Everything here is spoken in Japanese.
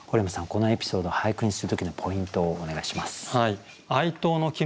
このエピソード俳句にする時のポイントをお願いします。